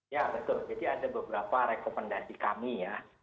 ya betul jadi ada beberapa rekomendasi kami ya